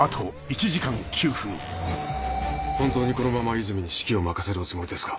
本当にこのまま和泉に指揮を任せるおつもりですか？